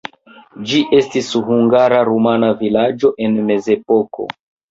Ĝi estis hungara-rumana vilaĝo en mezepoko.